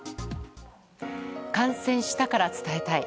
感染したから伝えたい」。